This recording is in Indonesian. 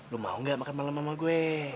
lo mau gak makan malem sama gue